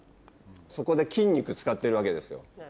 そこで筋肉使ってるわけですよ。